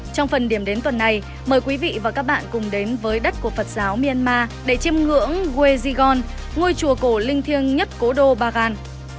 trong phần điểm đến tuần này mời quý vị và các bạn cùng đến với đất của phật giáo myanmar để chiêm ngưỡng guezigon ngôi chùa cổ linh thiêng nhất cố đô bagan